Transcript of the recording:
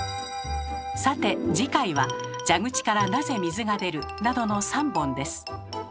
さて次回は「蛇口からなぜ水が出る？」などの３本です。